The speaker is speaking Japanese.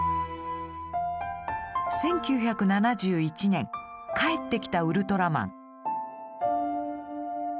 １９７１年「帰ってきたウルトラマン」。